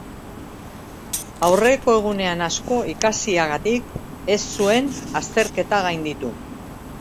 Aurreko egunean asko ikasiagatik, ez zuen azterketa gainditu.